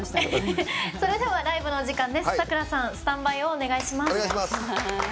それではライブのお時間です。